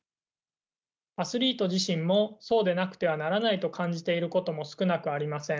アスリート自身もそうでなくてはならないと感じていることも少なくありません。